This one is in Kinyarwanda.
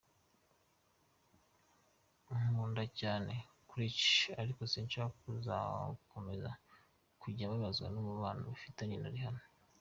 Nkunda cyane Karrueche ariko sinshaka ko yazakomeza kujya ababazwa n’umubano mfitanye na Rihanna.